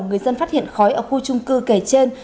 người dân phát hiện khói ở khu trung cư kể trên